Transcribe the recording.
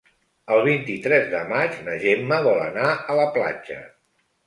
El vint-i-tres de maig na Gemma vol anar a la platja.